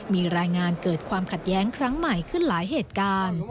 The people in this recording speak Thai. มีรายงานเกิดความขัดแย้งครั้งใหม่ขึ้นหลายเหตุการณ์